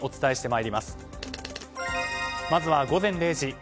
まずは午前０時。